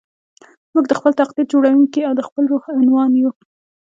موږ د خپل تقدير جوړوونکي او د خپل روح عنوان يو.